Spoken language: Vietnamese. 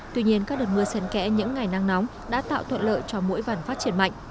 tuy nhiên các đợt mưa sen kẽ những ngày nắng nóng đã tạo thuận lợi cho mũi vằn phát triển mạnh